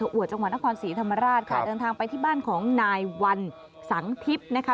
อวดจังหวัดนครศรีธรรมราชค่ะเดินทางไปที่บ้านของนายวันสังทิพย์นะคะ